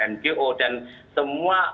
ngo dan semua